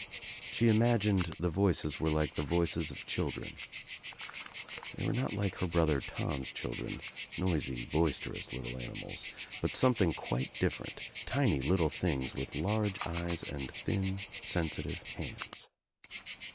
She imagined the voices were like the voices of children. They were not like her brother Tom's children, noisy boisterous little animals, but something quite different, tiny little things with large eyes and thin sensitive hands.